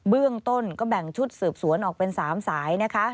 เบื้องต้นก็แบ่งชุดสืบสวนออกเป็น๓สายนะคะ